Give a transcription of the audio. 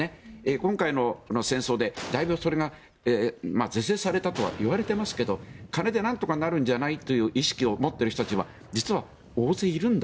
今回の戦争で、だいぶそれが是正されたとは言われていますが金でなんとかなるんじゃないという意識を持っている人は実は大勢いるんだ。